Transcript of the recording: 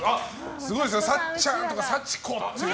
すごいですねさっちゃんとか幸子っていう。